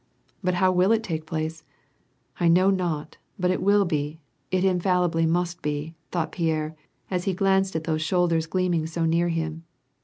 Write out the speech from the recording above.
But how will it take place ? I know not ; but it will H it infallibly must be!" thought Pierre, as he glanced at those shoulders gleaming so near him.